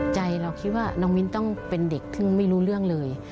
เราคิดว่าน้องมิ้นต้องเป็นเด็กซึ่งไม่รู้เรื่องเลย